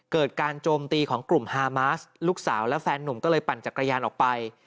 เกิดการโจมตีของกลุ่มฮามาสลูกสาวและแฟนหนุ่มก็เลยปั่นจักรยานออกไป